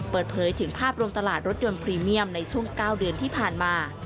เปิดเผยถึงภาพรวมตลาดรถยนต์พรีเมียมในช่วง๙เดือนที่ผ่านมา